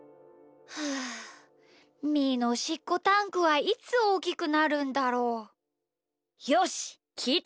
はあみーのおしっこタンクはいつおおきくなるんだろう？よしっきいてみよう！